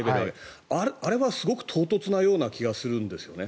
あれはすごく唐突なような気がするんです。